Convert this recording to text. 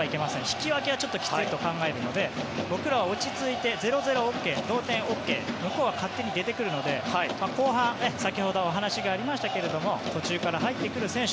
引き分けはきついと考えるので僕らは０対０ＯＫ向こうは勝手に出てくるので後半、先ほどお話がありましたが途中から入ってくる選手